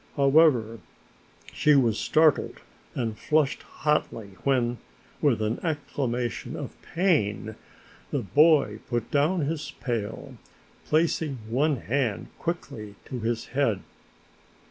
However, she was startled and flushed hotly when, with an exclamation of pain, the boy put down his pail, placing one hand quickly to his head.